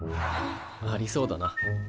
ありそうだな。